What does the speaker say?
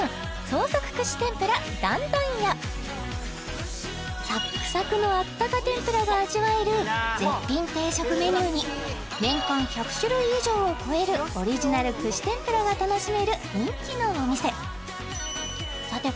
創作串天ぷら段々屋サックサクのあったか天ぷらが味わえる絶品定食メニューに年間１００種類以上を超えるオリジナル串天ぷらが楽しめる人気のお店さて